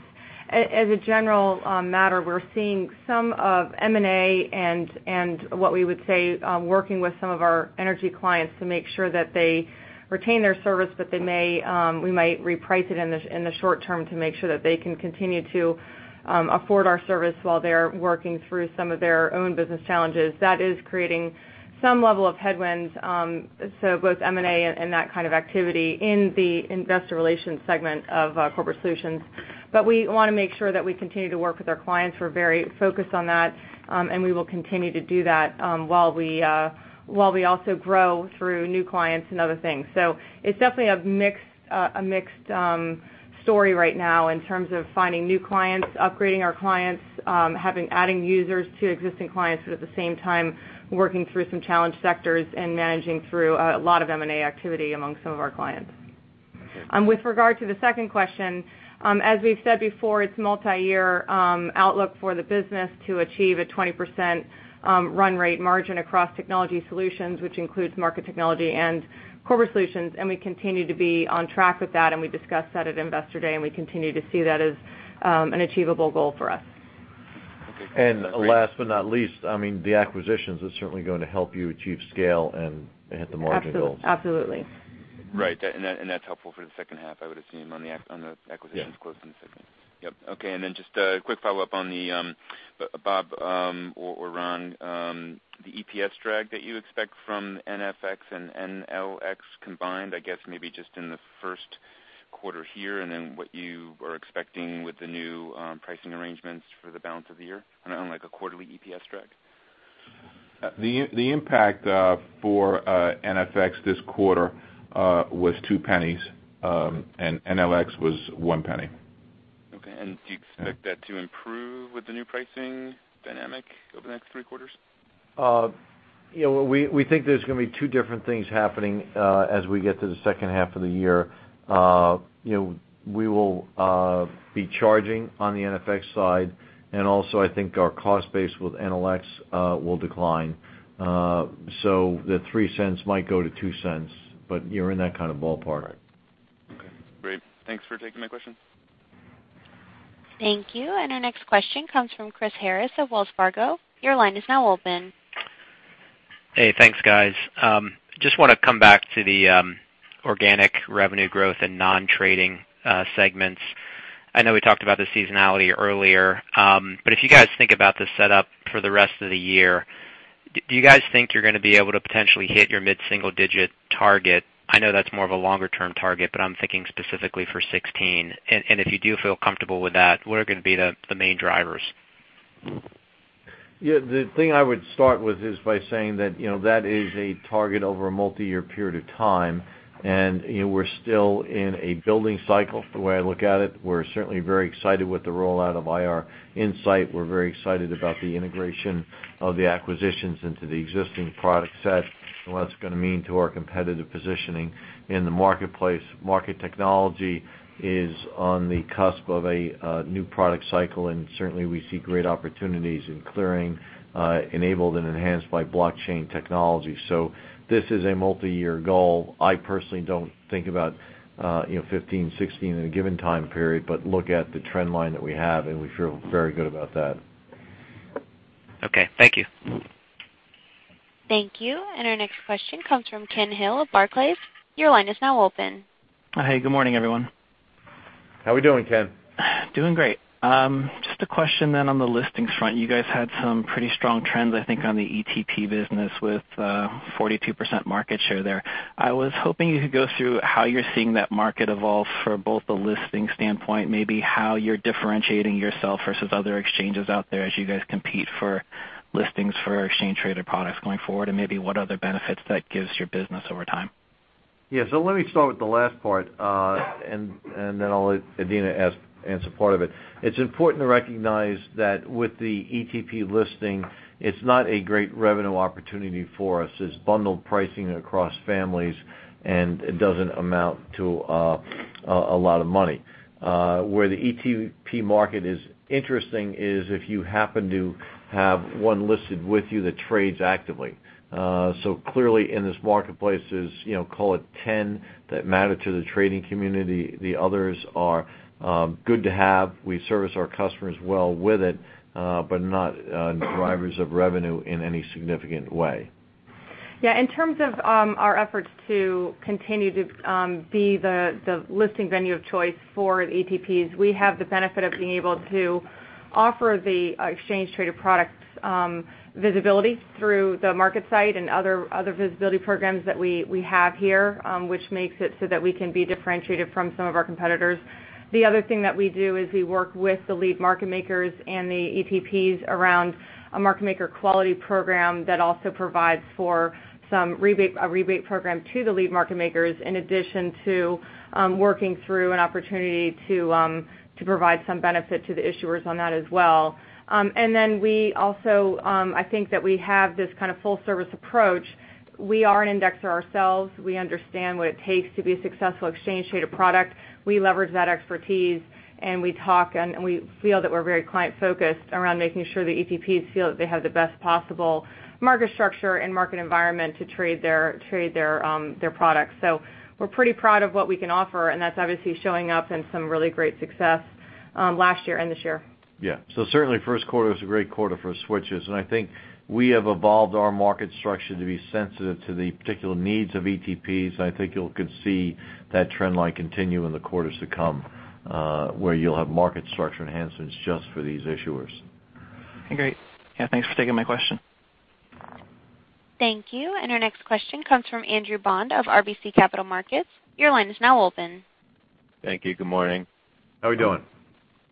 As a general matter, we're seeing some of M&A and what we would say, working with some of our energy clients to make sure that they retain their service, but we might reprice it in the short term to make sure that they can continue to afford our service while they're working through some of their own business challenges. That is creating some level of headwinds, so both M&A and that kind of activity in the investor relations segment of Corporate Solutions. We want to make sure that we continue to work with our clients. We're very focused on that, and we will continue to do that while we also grow through new clients and other things. It's definitely a mixed story right now in terms of finding new clients, upgrading our clients, adding users to existing clients, but at the same time, working through some challenged sectors and managing through a lot of M&A activity among some of our clients. With regard to the second question, as we've said before, it's multi-year outlook for the business to achieve a 20% run rate margin across Technology Solutions, which includes Market Technology and Corporate Solutions, and we continue to be on track with that, and we discussed that at Investor Day, and we continue to see that as an achievable goal for us. Last but not least, the acquisitions is certainly going to help you achieve scale and hit the margin goals. Absolutely. Right. That's helpful for the second half, I would assume on the acquisitions close in the second. Yep. Okay, just a quick follow-up on the, Bob or Ron, the EPS drag that you expect from NFX and NLX combined, I guess maybe just in the first quarter here, what you are expecting with the new pricing arrangements for the balance of the year on a quarterly EPS drag? The impact for NFX this quarter was $0.02, and NLX was $0.01. Okay. Do you expect that to improve with the new pricing dynamic over the next three quarters? We think there's going to be two different things happening as we get to the second half of the year. We will be charging on the NFX side, also I think our cost base with NLX will decline. The $0.03 might go to $0.02, you're in that kind of ballpark. Okay, great. Thanks for taking my questions. Thank you. Our next question comes from Chris Harris of Wells Fargo. Your line is now open. Hey, thanks, guys. Just want to come back to the organic revenue growth and non-trading segments. I know we talked about the seasonality earlier. If you guys think about the setup for the rest of the year, do you guys think you're going to be able to potentially hit your mid-single-digit target? I know that's more of a longer-term target, I'm thinking specifically for 2016. If you do feel comfortable with that, what are going to be the main drivers? The thing I would start with is by saying that is a target over a multi-year period of time, and we're still in a building cycle, the way I look at it. We're certainly very excited with the rollout of Nasdaq IR Insight. We're very excited about the integration of the acquisitions into the existing product set and what that's going to mean to our competitive positioning in the marketplace. Market technology is on the cusp of a new product cycle, certainly, we see great opportunities in clearing, enabled and enhanced by blockchain technology. This is a multi-year goal. I personally don't think about 2015, 2016 in a given time period, but look at the trend line that we have, and we feel very good about that. Okay, thank you. Thank you. Our next question comes from Ken Hill of Barclays. Your line is now open. Hey, good morning, everyone. How we doing, Ken? Doing great. Just a question on the listings front. You guys had some pretty strong trends, I think, on the ETP business with a 42% market share there. I was hoping you could go through how you're seeing that market evolve for both the listing standpoint, maybe how you're differentiating yourself versus other exchanges out there as you guys compete for listings for exchange-traded products going forward, and maybe what other benefits that gives your business over time. Yeah. Let me start with the last part, then I'll let Adena answer part of it. It's important to recognize that with the ETP listing, it's not a great revenue opportunity for us. It's bundled pricing across families, and it doesn't amount to a lot of money. Where the ETP market is interesting is if you happen to have one listed with you that trades actively. Clearly in this marketplace is, call it 10 that matter to the trading community. The others are good to have. We service our customers well with it, but not drivers of revenue in any significant way. Yeah, in terms of our efforts to continue to be the listing venue of choice for ETPs, we have the benefit of being able to offer the exchange-traded products visibility through the MarketSite and other visibility programs that we have here, which makes it so that we can be differentiated from some of our competitors. The other thing that we do is we work with the lead market makers and the ETPs around a market maker quality program that also provides for a rebate program to the lead market makers, in addition to working through an opportunity to provide some benefit to the issuers on that as well. Then I think that we have this kind of full-service approach. We are an indexer ourselves. We understand what it takes to be a successful exchange-traded product. We leverage that expertise, and we talk and we feel that we're very client-focused around making sure the ETPs feel that they have the best possible market structure and market environment to trade their products. We're pretty proud of what we can offer, and that's obviously showing up in some really great success last year and this year. Yeah. Certainly first quarter was a great quarter for switches, and I think we have evolved our market structure to be sensitive to the particular needs of ETPs. I think you could see that trend line continue in the quarters to come, where you'll have market structure enhancements just for these issuers. Great. Yeah, thanks for taking my question. Thank you. Our next question comes from Andrew Bond of RBC Capital Markets. Your line is now open. Thank you. Good morning. How we doing?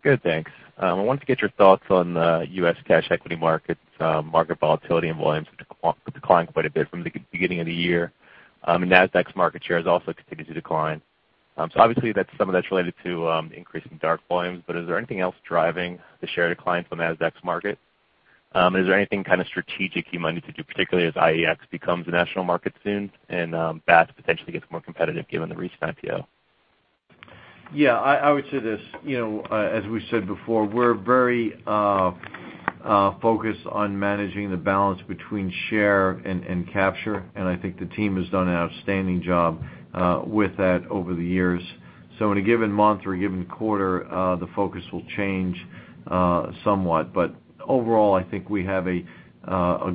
Good, thanks. I wanted to get your thoughts on the U.S. cash equity markets, market volatility and volumes have declined quite a bit from the beginning of the year. Nasdaq's market share has also continued to decline. Obviously, some of that's related to increasing dark volumes, but is there anything else driving the share decline from Nasdaq's market? Is there anything kind of strategic you might need to do, particularly as IEX becomes a national market soon and Bats potentially gets more competitive given the recent IPO? Yeah, I would say this. As we said before, we're very focused on managing the balance between share and capture, and I think the team has done an outstanding job with that over the years. In a given month or a given quarter, the focus will change somewhat. Overall, I think we have a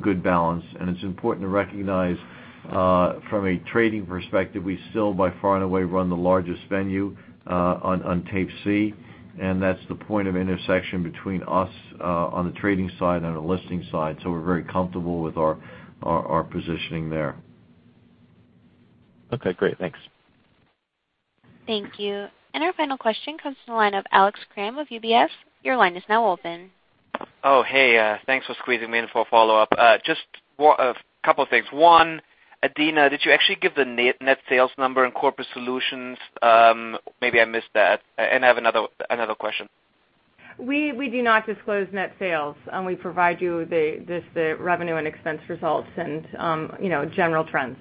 good balance, and it's important to recognize, from a trading perspective, we still by far and away run the largest venue on Tape C, and that's the point of intersection between us on the trading side and the listing side. We're very comfortable with our positioning there. Okay, great. Thanks. Thank you. Our final question comes from the line of Alex Kramm of UBS. Your line is now open. Oh, hey. Thanks for squeezing me in for a follow-up. Just a couple of things. One, Adena, did you actually give the net sales number in Corporate Solutions? Maybe I missed that. I have another question. We do not disclose net sales. We provide you the revenue and expense results and general trends.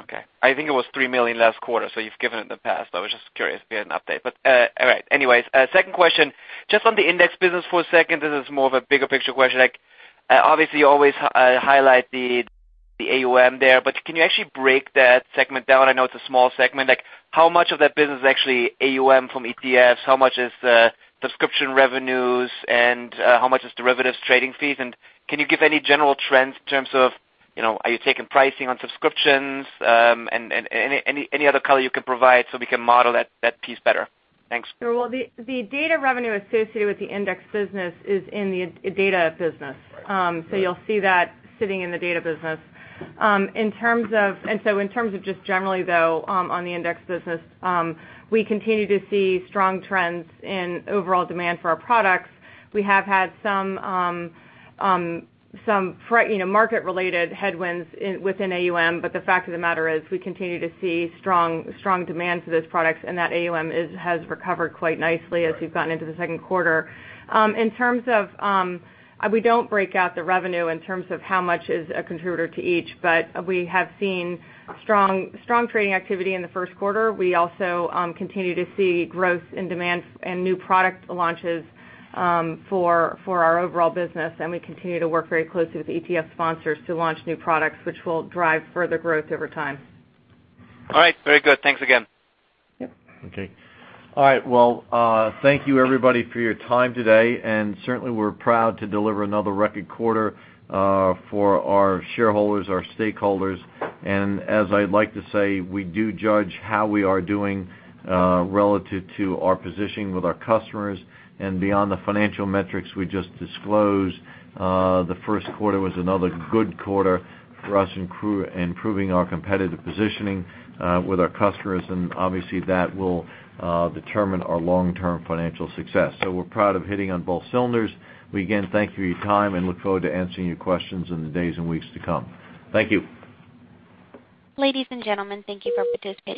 Okay. I think it was $3 million last quarter, so you've given it in the past. I was just curious to get an update, but all right. Anyways, second question, just on the index business for a second, this is more of a bigger picture question. Obviously, you always highlight the AUM there, but can you actually break that segment down? I know it's a small segment. How much of that business is actually AUM from ETFs? How much is subscription revenues, and how much is derivatives trading fees? Can you give any general trends in terms of, are you taking pricing on subscriptions, and any other color you can provide so we can model that piece better? Thanks. Sure. Well, the data revenue associated with the index business is in the data business. Right. You'll see that sitting in the data business. In terms of just generally, though, on the index business, we continue to see strong trends in overall demand for our products. We have had some market-related headwinds within AUM, but the fact of the matter is, we continue to see strong demand for those products, and that AUM has recovered quite nicely as we've gotten into the second quarter. We don't break out the revenue in terms of how much is a contributor to each, but we have seen strong trading activity in the first quarter. We also continue to see growth in demand and new product launches for our overall business, and we continue to work very closely with ETF sponsors to launch new products, which will drive further growth over time. All right. Very good. Thanks again. Yep. Okay. All right. Well, thank you everybody for your time today, certainly, we're proud to deliver another record quarter for our shareholders, our stakeholders. As I like to say, we do judge how we are doing relative to our positioning with our customers. Beyond the financial metrics we just disclosed, the first quarter was another good quarter for us improving our competitive positioning with our customers, obviously, that will determine our long-term financial success. We're proud of hitting on both cylinders. We again thank you for your time and look forward to answering your questions in the days and weeks to come. Thank you. Ladies and gentlemen, thank you for participating.